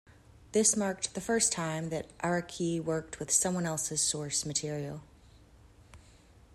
This marked the first time that Araki worked with someone else's source material.